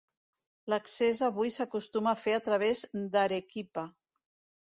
L'accés avui s'acostuma a fer a través d'Arequipa.